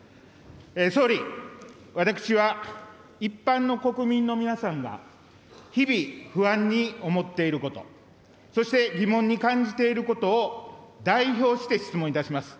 総理、私は一般の国民の皆さんが日々、不安に思っていること、そして、疑問に感じていることを代表して質問いたします。